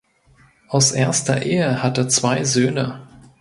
Aus erster Ehe hat er zwei Söhne.